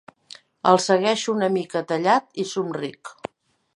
El segueixo una mica tallat i somric.